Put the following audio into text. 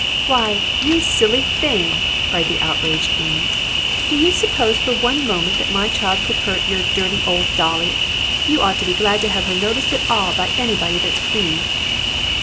"Why, you silly thing!" cried the outraged Amy; "do you suppose for one moment that my child could hurt your dirty old dolly? You ought to be glad to have her noticed at all by anybody that's clean."